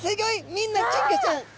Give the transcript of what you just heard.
みんな金魚ちゃん。